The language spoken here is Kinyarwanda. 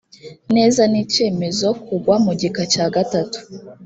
neza n icyemezo k ugwa mu gika cya gatatu